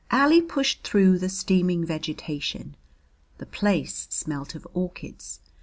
Ali pushed through the steaming vegetation. The place smelt of orchids.